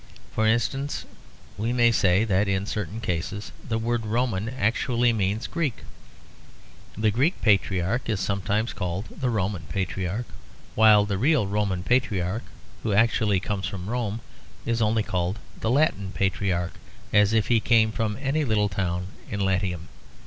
For instance, we may say that in certain cases the word Roman actually means Greek. The Greek Patriarch is sometimes called the Roman Patriarch; while the real Roman Patriarch, who actually comes from Rome, is only called the Latin Patriarch, as if he came from any little town in Latium.